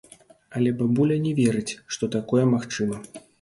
Але бабуля не верыць, што такое магчыма.